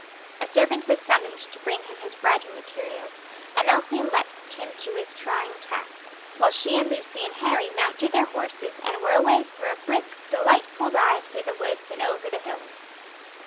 A servant was summoned to bring him his writing materials, and Elsie left him to his trying task, while she and Lucy and Harry mounted their horses and were away for a brisk, delightful ride through the woods and over the hills.